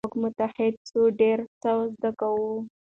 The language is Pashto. که موږ متحد سو ډېر څه زده کوو.